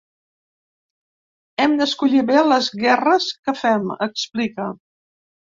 Hem d’escollir bé les guerres que fem, explica.